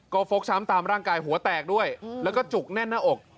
ก็ฟกช้ำตามร่างกายหัวแตกด้วยแล้วก็จุกแน่นหน้าอก